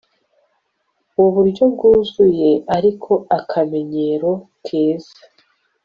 mu buryo bwuzuye ariko akamenyero keza